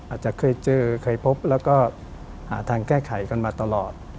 อาจจะเคยเจอเคยพบแล้วก็หาทางแก้ไขกันมาตลอด